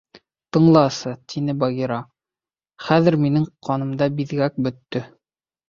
— Тыңласы, — тине Багира — Хәҙер минең ҡанымда биҙгәк бөттө.